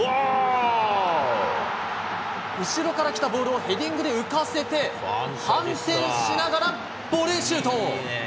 後ろから来たボールをヘディングで浮かせて、反転しながらボレーシュート。